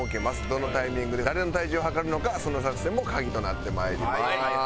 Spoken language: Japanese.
どのタイミングで誰の体重を測るのかその作戦も鍵となってまいります。